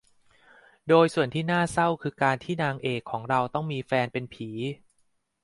โดยส่วนที่น่าเศร้าคือการที่นางเอกของเราต้องมีแฟนเป็นผี